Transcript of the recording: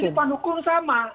kan di depan hukum sama